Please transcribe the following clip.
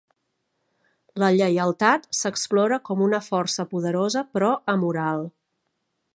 La lleialtat s'explora com una força poderosa però amoral.